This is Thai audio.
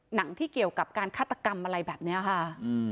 หนังที่เกี่ยวกับการฆาตกรรมอะไรแบบนี้ค่ะ